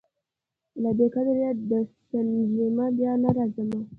له بې قدریه دي ستنېږمه بیا نه راځمه